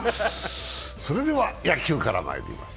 それでは、野球からまいります。